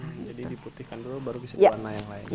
jadi diputihkan dulu baru bisa warna yang lain